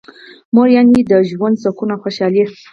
مور یعنی د ژوند سکون او خوشحالي.